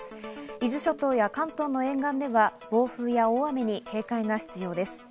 伊豆諸島や関東の沿岸部は暴風や大雨に警戒が必要です。